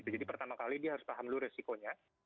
jadi pertama kali dia harus paham dulu resikonya